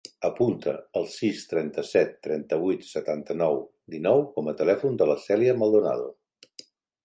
Apunta el sis, trenta-set, trenta-vuit, setanta-nou, dinou com a telèfon de la Cèlia Maldonado.